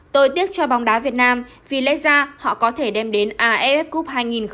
tôi tiếc cho bóng đá việt nam vì lẽ ra họ có thể đem đến aff cup hai nghìn một mươi chín